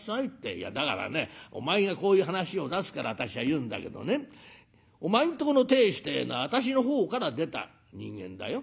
「いやだからねお前がこういう話を出すから私は言うんだけどねお前んとこの亭主ってえのは私の方から出た人間だよ。